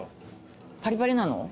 パリパリなの？